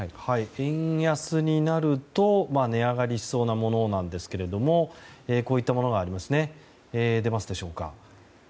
円安になると値上がりしそうなものなんですがこういったものがありますね。